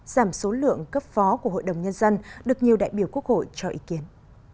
giảm số lượng cấp phó của hội đồng nhân dân được nhiều đại biểu quốc hội cho ý kiến